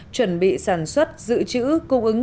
chuẩn bị sản xuất dự trữ cung ứng